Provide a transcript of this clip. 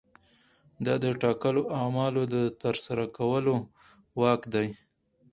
دا د ټاکلو اعمالو د ترسره کولو واک دی.